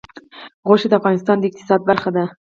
غوښې د افغانستان د اقتصاد برخه ده.